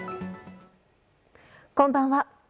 こんばんは。